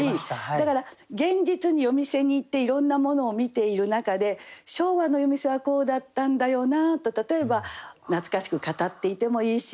だから現実に夜店に行っていろんなものを見ている中で昭和の夜店はこうだったんだよなと例えば懐かしく語っていてもいいし。